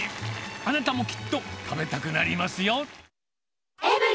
あなたもきっと食べたくなります